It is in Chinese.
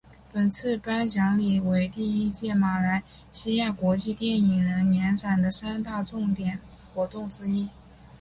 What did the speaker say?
本次颁奖礼为第一届马来西亚国际电影人年展的三大重点活动之一。